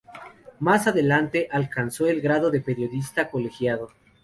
Más adelante, alcanzó el grado de periodista colegiado.